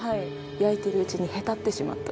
焼いてる内にへたってしまった。